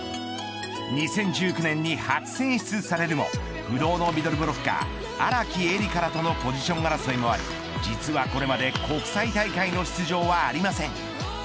２０１９年に初選出されるも不動のミドルブロッカー荒木絵里香らとのポジション争いもあり実は、これまで国際大会の出場はありません。